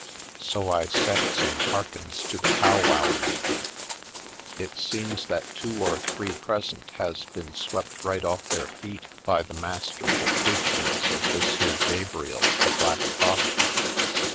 So I sets and hearkens to the pow wow ing. It seems that two or three present has been swept right ofif their feet by the m.ast erful preachments of this here Gabriel the Black Prophet.